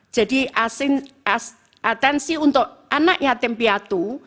jadi atensi untuk anak yatim piatu